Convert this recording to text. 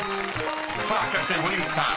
［さあキャプテン堀内さん